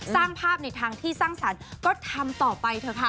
สร้างภาพในทางที่สร้างสรรค์ก็ทำต่อไปเถอะค่ะ